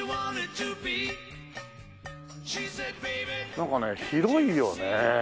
なんかねえ広いよね。